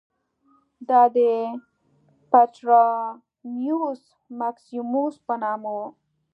دا د پټرانیوس مکسیموس په نامه و